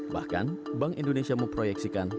bahkan bank indonesia memproyeksikan